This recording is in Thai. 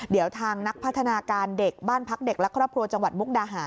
เดี๋ยวทางนักพัฒนาการเด็กบ้านพักเด็กและครอบครัวจังหวัดมุกดาหา